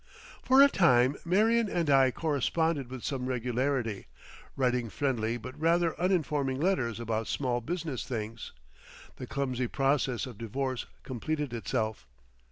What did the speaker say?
For a time Marion and I corresponded with some regularity, writing friendly but rather uninforming letters about small business things. The clumsy process of divorce completed itself.